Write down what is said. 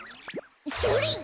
それ！